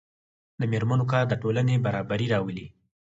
د میرمنو کار د ټولنې برابري راولي.